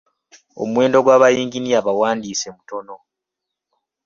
Omuwendo gwa bayinginiya abawandiise mutono.